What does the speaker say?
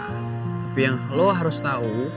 tapi yang lu harus tau